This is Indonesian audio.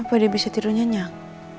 apa dia bisa tidur nyenyak